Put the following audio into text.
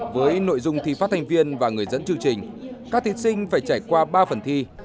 với nội dung thi phát thành viên và người dẫn chương trình các thí sinh phải trải qua ba phần thi